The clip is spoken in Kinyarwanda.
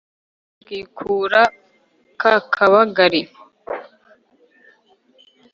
tukikura ka kabagari